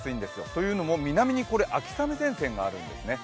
というのも、南に秋雨前線があるんですね。